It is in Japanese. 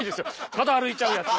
ただ歩いちゃうやつ